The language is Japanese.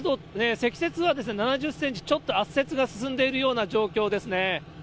積雪は７０センチちょっと、圧雪が進んでいるような状況ですね。